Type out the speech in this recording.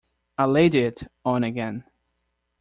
I laid it on again.